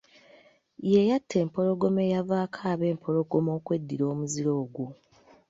Ye yatta empologoma eyavaako abempologoma okweddira omuziro ogwo.